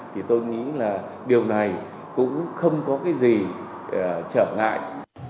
thì tôi nghĩ là điều này cũng không có cái gì trở ngại